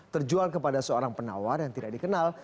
terjual kepada seorang penawar yang tidak dikenal